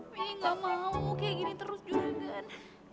mami gak mau kayak gini terus juragan